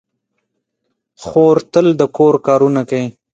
خور تل د کور کارونه کوي.